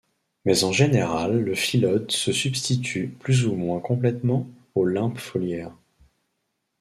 Mais en général le phyllode se substitue plus ou moins complètement au limbe foliaire.